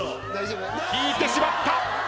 引いてしまった。